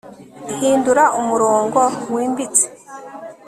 Hindura umurongo wimbitse